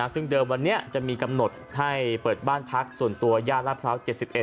ซึ่งเดิมวันนี้จะมีกำหนดให้เปิดบ้านพักส่วนตัวย่านลาดพร้าว๗๑